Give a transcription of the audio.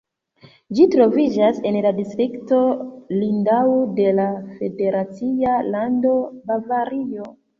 Ĝi troviĝas en la distrikto Lindau de la federacia lando Bavario.